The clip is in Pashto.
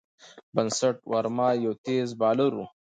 بسنت ورما یو تېز بالر وو.